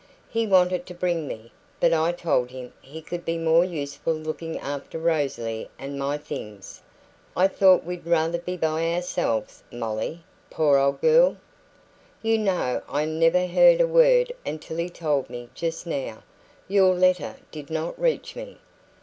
He wanted to bring me, but I told him he could be more useful looking after Rosalie and my things. I thought we'd rather be by ourselves, Molly poor old girl! You know I never heard a word until he told me just now. Your letter did not reach me."